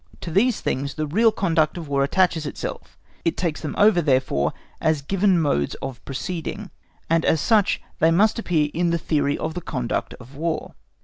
To these things the real conduct of War attaches itself; it takes them over, therefore, as given modes of proceeding, and as such they must appear in the theory of the conduct of War.